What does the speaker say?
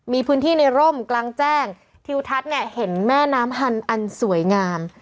มีพื้นที่ในร่มกลางแจ้งทิวทัศน์เนี่ยเห็นแม่น้ำฮันอันสวยงาม